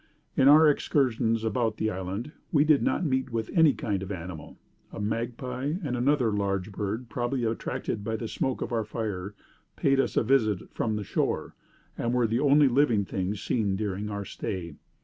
In our excursions about the island, we did not meet with any kind of animal; a magpie, and another larger bird, probably attracted by the smoke of our fire, paid us a visit from the shore, and were the only living things seen during our stay.